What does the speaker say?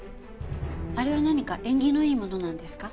あれは何か縁起のいいものなんですか？